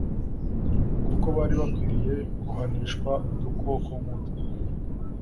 kuko bari bakwiriye guhanishwa udukoko nk'utwo